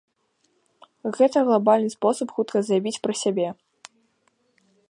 Гэта глабальны спосаб хутка заявіць пра сябе.